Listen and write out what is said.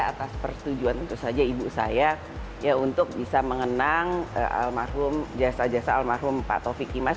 atas persetujuan tentu saja ibu saya untuk bisa mengenang almarhum jasa jasa almarhum pak taufik kimas